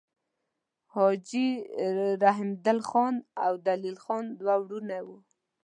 حاجي رحمدل خان او دلیل خان دوه وړونه وه.